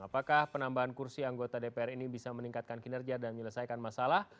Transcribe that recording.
apakah penambahan kursi anggota dpr ini bisa meningkatkan kinerja dan menyelesaikan masalah